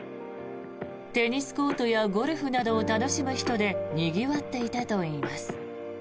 テニスコートやゴルフなどを楽しむ人でにぎわっていたといいます。